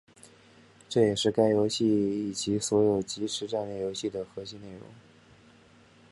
这也是该游戏以及所有即时战略游戏的核心内容。